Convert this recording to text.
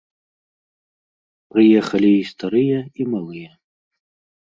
Прыехалі і старыя, і малыя.